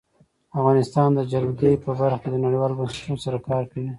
افغانستان د جلګه په برخه کې نړیوالو بنسټونو سره کار کوي.